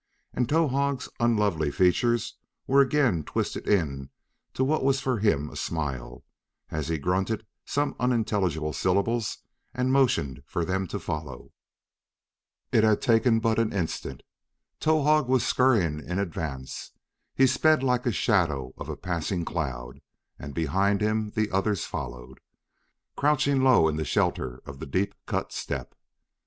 And Towahg's unlovely features were again twisted into what was for him a smile, as he grunted some unintelligible syllables and motioned them to follow. It had taken but an instant. Towahg was scurrying in advance; he sped like a shadow of a passing cloud, and behind him the others followed, crouching low in the shelter of the deep cut step.